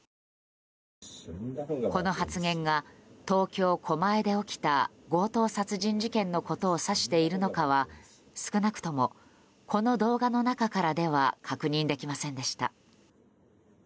この発言が東京・狛江で起きた強盗殺人事件のことを指しているのかは少なくともこの動画の中からでは確認できませんでした。